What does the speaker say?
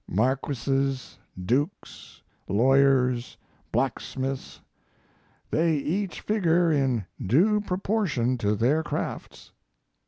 Marquises, dukes, lawyers, blacksmiths, they each figure in due proportion to their crafts."